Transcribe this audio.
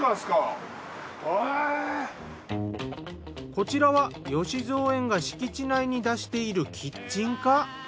こちらは芳蔵園が敷地内に出しているキッチンカー。